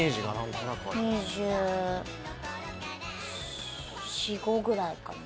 ２４２５ぐらいかな。